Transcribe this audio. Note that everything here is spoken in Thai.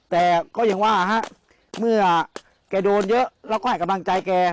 แต่ก็ยังว่าฮะเมื่อแกโดนเยอะแล้วก็ให้กำลังใจแก